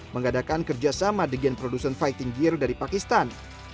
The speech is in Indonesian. mengadakan kerjasama dengan produsen fighting gear dari pakistan